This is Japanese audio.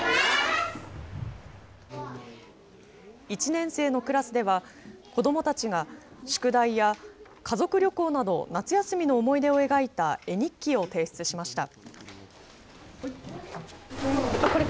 １年生のクラスでは子どもたちが宿題や家族旅行など夏休みの思い出を描いた絵日記を提出しました。